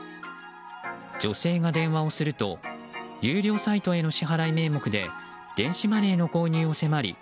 女性が電話をすると有料サイトへの支払い名目で電子マネーの購入を迫り